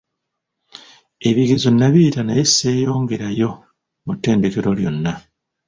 Ebigezo nabiyita naye sseeyongera yo mu ttendekero lyonna!